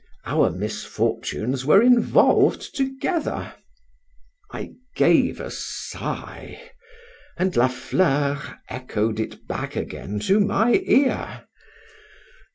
—Our misfortunes were involved together:—I gave a sigh,—and La Fleur echoed it back again to my ear.